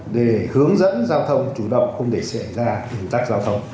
để hướng dẫn giao thông chủ động không để xảy ra ủn tắc giao thông